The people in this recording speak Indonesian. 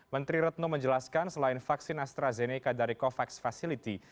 menteri retno menjelaskan selain vaksin astrazeneca dari covax facility